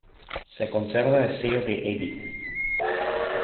Se conserva el sello de Edith.